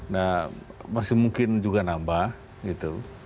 nah masih mungkin juga nambah gitu